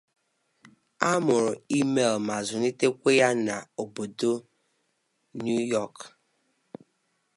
Himmel was born and raised in New York City.